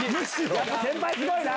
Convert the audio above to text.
やっぱ先輩すごいな。